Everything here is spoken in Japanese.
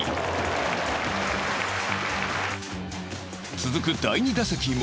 続く第２打席も